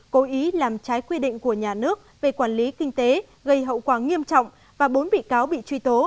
cố ý làm trái quy định của nhà nước về quản lý kinh tế gây hậu quả nghiêm trọng và bốn bị cáo bị truy tố